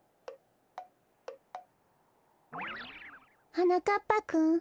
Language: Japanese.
はなかっぱくん。